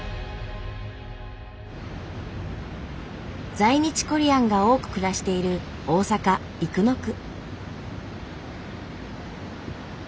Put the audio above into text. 在日コリアンが多く暮らしている大阪生野区。